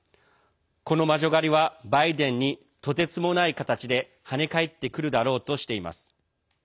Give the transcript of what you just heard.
この魔女狩りはバイデンにとてつもない形で跳ね返ってくるだろうとしています。